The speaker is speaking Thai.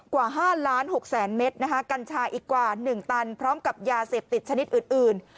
กว่า๕ล้าน๖แสนเมตรนะคะกัญชาอีกกว่า๑ตันพร้อมกับยาเสพติดชนิดอื่น